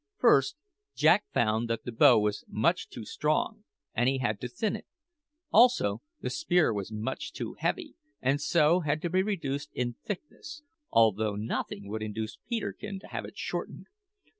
First, Jack found that the bow was much too strong, and he had to thin it. Also the spear was much too heavy, and so had to be reduced in thickness, although nothing would induce Peterkin to have it shortened.